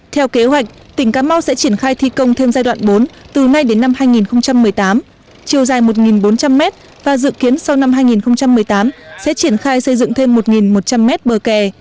theo kế hoạch tỉnh cà mau sẽ triển khai thi công thêm giai đoạn bốn từ nay đến năm hai nghìn một mươi tám chiều dài một bốn trăm linh m và dự kiến sau năm hai nghìn một mươi tám sẽ triển khai xây dựng thêm một một trăm linh m bờ kè